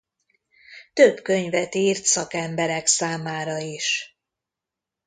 Több könyvet írt szakemberek számára is.